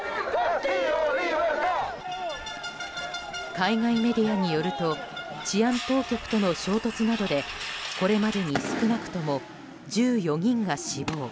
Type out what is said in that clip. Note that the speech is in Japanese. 海外メディアによると治安当局との衝突などでこれまでに少なくとも１４人が死亡。